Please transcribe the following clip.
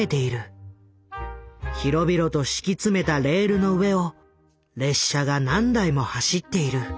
広々と敷き詰めたレールの上を列車が何台も走っている。